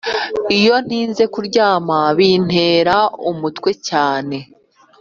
iyo ntinze kuryama bintera umutwe cyane